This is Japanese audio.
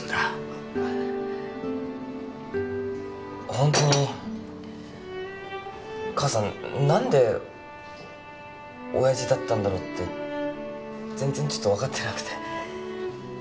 ホントに母さん何で親父だったんだろって全然ちょっと分かってなくて。